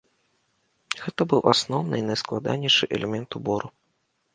Гэта быў асноўны і найскладанейшы элемент убору.